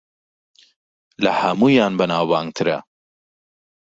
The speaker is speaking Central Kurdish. لە ھەموویان بەناوبانگترە